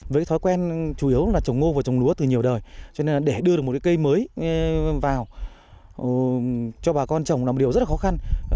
với thói quen chủ yếu là trồng ngô và trồng lúa từ nhiều đời cho nên để đưa được một cái cây mới vào cho bà con trồng là một điều rất là khó khăn